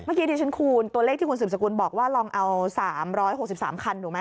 เมื่อกี้ดิฉันคูณตัวเลขที่คุณสืบสกุลบอกว่าลองเอา๓๖๓คันถูกไหม